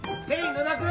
野田君！